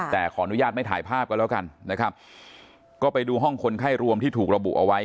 แต่ขออนุญาตไม่ถ่ายภาพกันแล้วกันนะครับก็ไปดูห้องคนไข้รวมที่ถูกระบุเอาไว้